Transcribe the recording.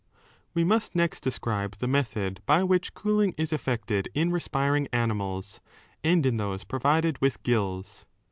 We must next describe the method by which cooling is effected in respiring animals and in those provided with gills.